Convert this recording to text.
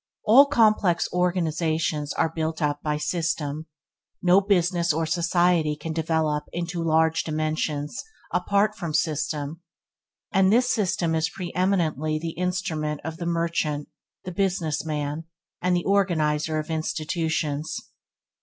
All complex organizations are built up by system. No business or society can develop into large dimensions apart from system, and this principle is preeminently the instrument of the merchant, the business man, and the organizer of institutions.